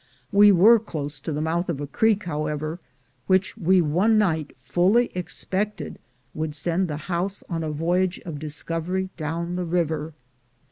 We were close to the mouth of a creek, how ever, which we one night fully expected would send tiie house on a voyage of discovery down the river.